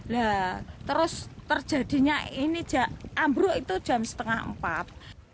lah terus terjadinya ini ambruk itu jam setengah empat